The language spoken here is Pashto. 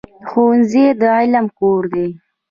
ښوونځی د علم کور دی.